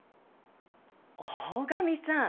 大神さん